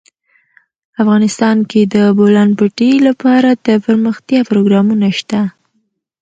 افغانستان کې د د بولان پټي لپاره دپرمختیا پروګرامونه شته.